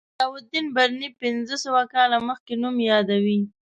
ضیاءالدین برني پنځه سوه کاله مخکې نوم یادوي.